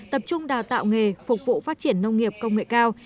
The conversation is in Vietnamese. tập trung đào tạo nghề phục vụ phát triển nông nghiệp công nghệ cao